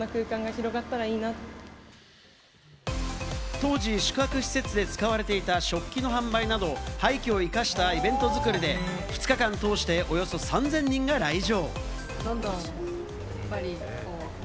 当時、宿泊施設で使われていた食器の販売など、廃墟を生かしたイベント作りで２日間通しておよそ３０００人が来場。